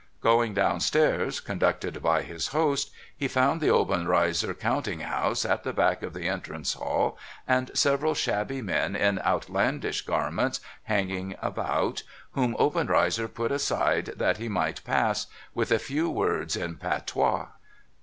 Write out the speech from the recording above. Going down stairs, conducted by his host, he found the Obenreizer counting house at the back of the entrance hall, and several shabby men in outlandish garments hanging about, whom Obenreizer put aside that he might pass, with a few words m patois.